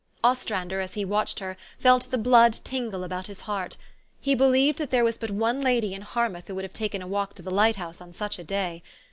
Ostrander, as he watched her, felt the blood tingle about his heart. He believed that there was but one lady in Harmouth who would have taken a walk to the light house on such a day.